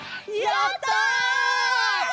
やった！